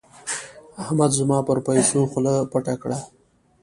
احمد زما پر پيسو خوله پټه کړه.